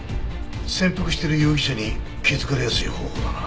潜伏してる容疑者に気づかれやすい方法だな。